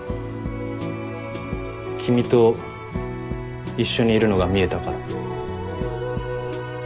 君と一緒にいるのが見えたから。